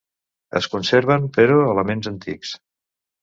Es conserven, però elements antics.